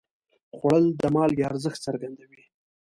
خوړل د مالګې ارزښت څرګندوي